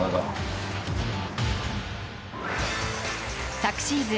昨シーズン